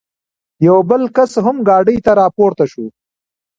یو بل کس هم ګاډۍ ته را پورته شو.